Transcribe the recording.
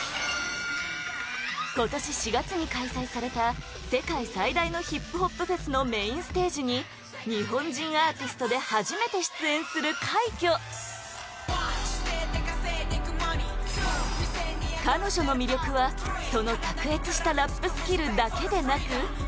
今年４月に開催された世界最大のヒップホップフェスのメインステージに日本人アーティストで初めて出演する快挙彼女の魅力はその卓越したラップスキルだけでなく